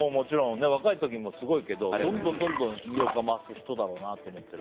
若い時もすごいけどどんどん魅力が増す人だろうなって思っている。